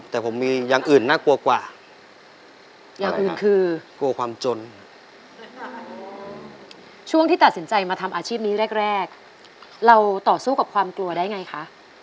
ถึงครั้งดวงที่ตัดสินใจมาทำอาชีพนี้แรกเราต่อสู้กกับความกลัวได้ไงคะ